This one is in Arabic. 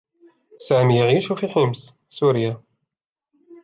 سامي يعيش في حمص، سوريا.